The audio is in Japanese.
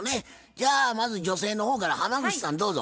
じゃあまず女性の方から浜口さんどうぞ。